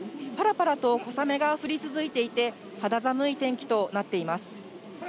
ぱらぱらと小雨が降り続いていて、肌寒い天気となっています。